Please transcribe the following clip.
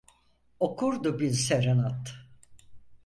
Okurdu bin serenad.